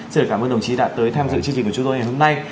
xin cảm ơn đồng chí đã tới tham dự chương trình của chúng tôi ngày hôm nay